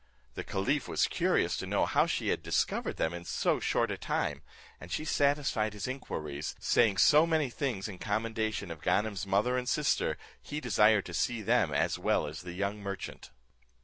The caliph was curious to know how she had discovered them in so short a time, and she satisfied his inquiries, saying so many things in commendation of Ganem's mother and sister, he desired to see them as well as the young merchant.